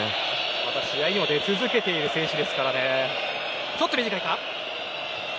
また試合にも出続けている選手です。